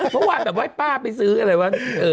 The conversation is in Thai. เพราะว่าไอ้ป้าไปซื้ออะไรวะ